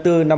lời bác này